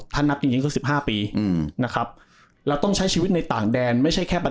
ถ้านับจริงจริงก็สิบห้าปีอืมนะครับเราต้องใช้ชีวิตในต่างแดนไม่ใช่แค่